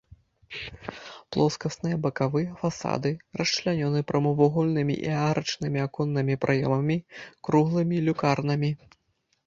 Плоскасныя бакавыя фасады расчлянёны прамавугольнымі і арачнымі аконнымі праёмамі, круглымі люкарнамі.